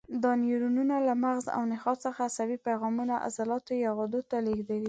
دا نیورونونه له مغز او نخاع څخه عصبي پیغامونه عضلاتو یا غدو ته لېږدوي.